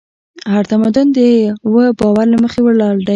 هر تمدن د یوه باور له مخې ولاړ دی.